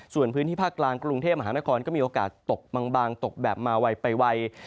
ส่วนพื้นที่ภาคกลางกรุงเทพมหานครก็มีโอกาสตกบางตกแบบมาไวไปไว